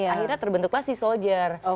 akhirnya terbentuklah sea soldier